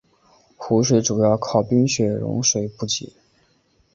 湖水主要靠冰雪融水补给。